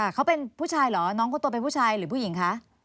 เขาเป็นผู้ชายเหรอน้องคนโตเป็นผู้ชายหรือผู้หญิงคะ